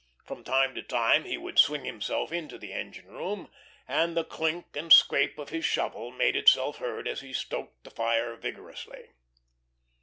From time to time he would swing himself into the engine room, and the clink and scrape of his shovel made itself heard as he stoked the fire vigorously.